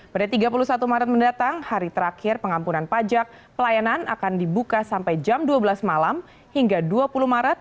pada tiga puluh satu maret mendatang hari terakhir pengampunan pajak pelayanan akan dibuka sampai jam dua belas malam hingga dua puluh maret